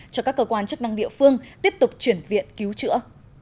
cho các cơ quan chức năng địa phương tiếp tục chuyển viện cứu trữa